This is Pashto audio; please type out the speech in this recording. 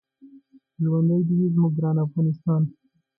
ژوندی دې وي زموږ ګران افغانستان.